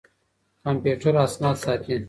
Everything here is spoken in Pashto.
کمپيوټر اسناد ساتي.